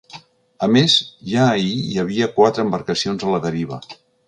A més, ja ahir hi havia quatre embarcacions a la deriva.